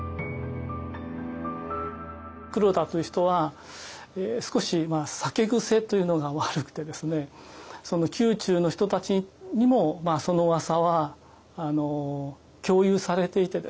黒田という人は少し酒癖というのが悪くてですね宮中の人たちにもそのうわさは共有されていてですね